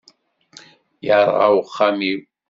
Yerɣa uxxam-iw.